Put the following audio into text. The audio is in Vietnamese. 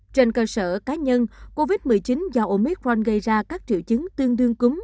trên cơ sở cá nhân covid một mươi chín do omicron gây ra các triệu chứng tương đương cúm